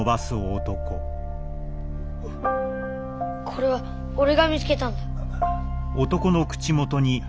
これは俺が見つけたんだ。